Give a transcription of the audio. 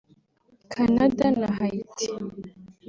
Canada na Haiti